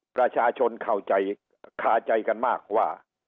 ประชาชนเข้าใจคาใจกันมากว่า